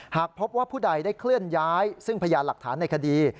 หากพบว่าผู้ใดได้เคลื่อนย้ายซึ่งพยานหลักฐานในคดี